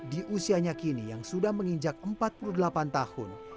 di usianya kini yang sudah menginjak empat puluh delapan tahun